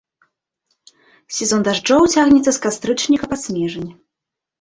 Сезон дажджоў цягнецца з кастрычніка па снежань.